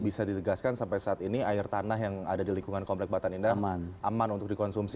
bisa ditegaskan sampai saat ini air tanah yang ada di lingkungan komplek batan indah aman untuk dikonsumsi